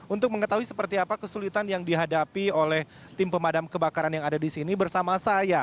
untuk mengetahui seperti apa kesulitan yang dihadapi oleh tim pemadam kebakaran yang ada di sini bersama saya